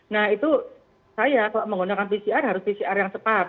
nah itu saya kalau menggunakan pcr harus pcr yang cepat